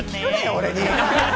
俺に。